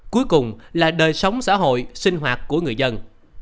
cuối cùng là đời sống xã hội sinh hoạt của người dân